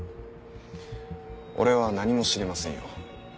俺は何も知りませんよ。